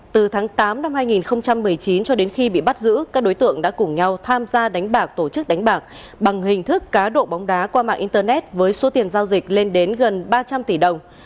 từ tháng tám năm hai nghìn một mươi chín cho đến khi bị bắt giữ các đối tượng đã cùng nhau tham gia đánh bạc tổ chức đánh bạc bằng hình thức cá độ bóng đá qua mạng internet với số tiền giao dịch lên đến gần ba trăm linh tỷ đồng